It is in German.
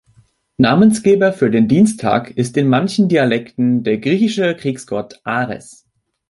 Namensgeber für den Dienstag ist in manchen Dialekten der griechische Kriegsgott Ares.